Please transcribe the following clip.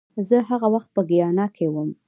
زه هغه وخت په ګیانا کې وم